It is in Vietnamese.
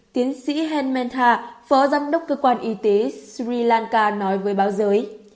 tiến sĩ henmanta phó giám đốc cơ quan y tế sri lanka nói với báo giới